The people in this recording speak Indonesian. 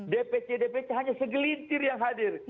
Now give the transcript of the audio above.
dpc dpc hanya segelintir yang hadir